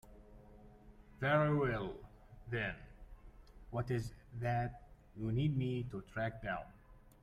Very well then, what is it that you need me to track down?